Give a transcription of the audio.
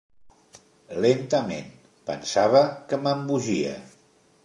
Lentament, pensava que m'embogia.